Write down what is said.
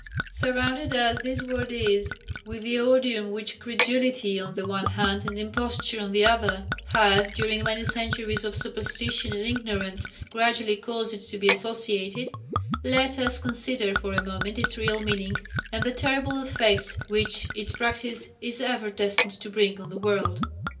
Surrounded as this word is with the odium which credulity on the one hand and imposture on the other have during many centuries of superstition and ignorance gradually caused it to be associated, let us consider for a moment its real meaning, and the terrible effects which its practice is ever destined to bring on the world.